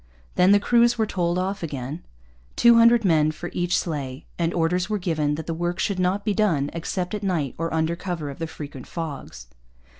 Then the crews were told off again, two hundred men for each sleigh, and orders were given that the work should not be done except at night or under cover of the frequent fogs.